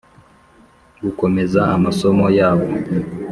gukomeza amasomo ya bo